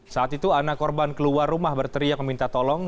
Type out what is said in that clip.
saat itu anak korban keluar rumah berteriak meminta tolong